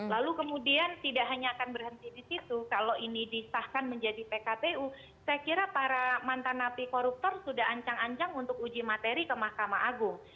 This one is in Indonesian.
lalu kemudian tidak hanya akan berhenti di situ kalau ini disahkan menjadi pkpu saya kira para mantan api koruptor sudah ancang ancang untuk uji materi ke mahkamah agung